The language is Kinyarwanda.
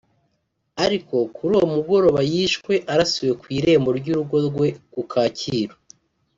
aribwo kuri uwo mugoroba yishwe arasiwe ku irembo ry’urugo rwe ku Kacyiru